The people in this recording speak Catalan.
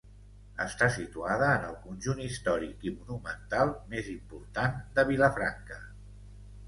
Està situada en el conjunt històric i monumental més important de Vilafranca.